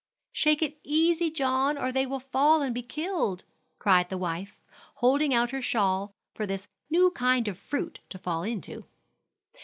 "Shake easy, John, or they will fall and be killed," cried the wife, holding out her shawl for this new kind of fruit to fall into.